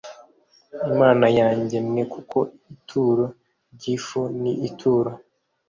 Imana yanjye mwe kuko ituro ry ifu n ituro